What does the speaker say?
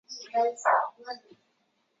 你有没有带贴纸